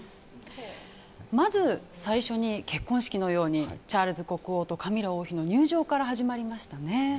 まず最初に結婚式のようにチャールズ国王とチャールズ国王とカミラ王妃の入場から始まりましたね。